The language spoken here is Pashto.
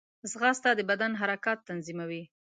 ځغاسته د بدن حرکات تنظیموي